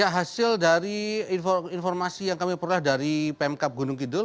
hasil dari informasi yang kami peroleh dari pemkap gunung kidul